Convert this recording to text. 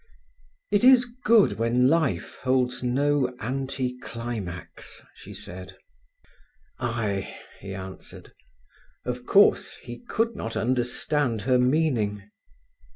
"It is good when life holds no anti climax," she said. "Ay!" he answered. Of course, he could not understand her meaning.